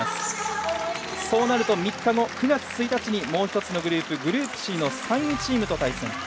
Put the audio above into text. そうなると、３日後の９月１日にもう１つのグループグループＣの３位チームと対戦。